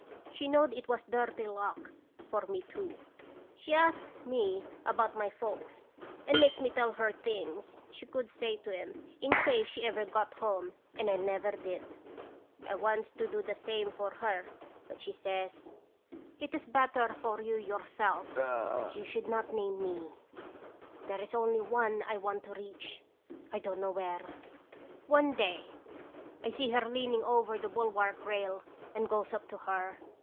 She knowed it was dirty luck for me, too. She asks me about my folks and makes me tell her things she could say to 'em in case she ever got home and I never did. I wants to do the same for her, but she says :"' It is better for you yourself that you 174 & radons bisitalion. should not name me. There is only one I want to reach. I don't know where.' " One day I see her leaning over the bul wark rail and goes up to her.